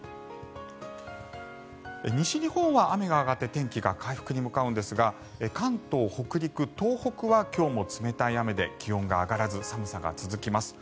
西日本は雨が上がって天気が回復に向かうんですが関東、北陸、東北は今日も冷たい雨で気温が上がらず寒さが続きます。